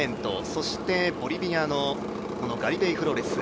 そして、ボリビアのガリベイ・フロレス。